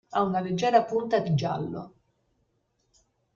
Ha una leggera punta di giallo.